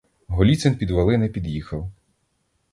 Голіцин під вали не під'їхав.